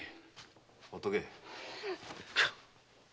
ほっとけ。